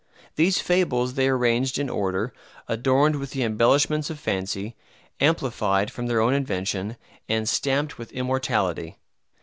These fables they arranged in order, adorned with the embellishments of fancy, amplified from their own invention, and stamped with immortality.